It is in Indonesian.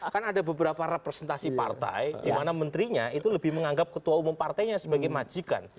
kan ada beberapa representasi partai di mana menterinya itu lebih menganggap ketua umum partainya sebagai majikan